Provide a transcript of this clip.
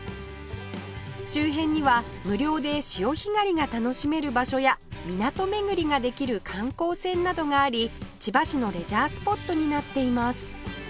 周辺には無料で潮干狩りが楽しめる場所や港巡りができる観光船などがあり千葉市のレジャースポットになっています